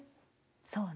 そうね。